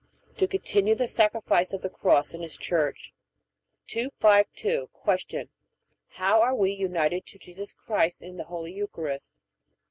To continue the sacrifice of the Cross in His Church. 252. Q. How are we united to Jesus Christ in the Holy Eucharist?